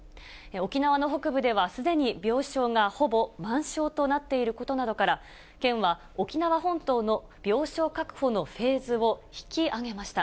沖縄の北部では、すでに病床がほぼ満床となっていることなどから、県は沖縄本島の病床確保のフェーズを引き上げました。